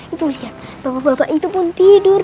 itu lihat bapak bapak itu pun tidur